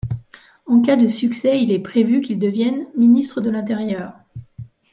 En cas de succès, il est prévu qu'il devienne ministre de l'Intérieur.